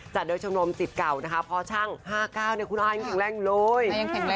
จัดโดยชงนมสิทธิ์เก่าพ่อช่าง๕๙คุณอาหารยังแข็งแรงอยู่